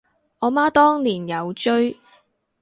我媽當年有追